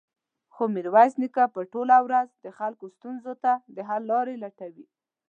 خو ميرويس نيکه به ټوله ورځ د خلکو ستونزو ته د حل لارې لټولې.